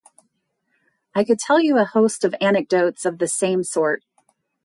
I could tell you a host of anecdotes of the same sort.